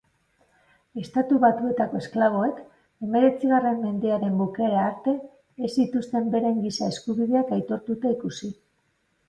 Estatu Batuetako esklaboek hemeretzigarren mendearen bukaera arte ez zituzten beren giza eskubideak aitortuta ikusi.